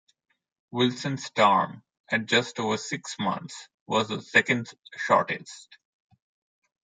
Wilson's term, at just over six months, was the second shortest.